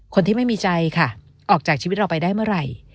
คนที่ไม่มีใจค่ะออกจากชีวิตเราไปได้เมื่อไหร่